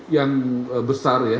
yang besar ya